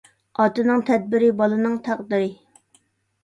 ئاتىنىڭ تەدبىرى بالىنىڭ تەقدىرى.